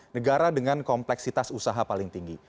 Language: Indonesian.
negara dengan kompleksitas usaha paling tinggi